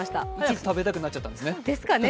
早く食べたくなっちゃったんですかね。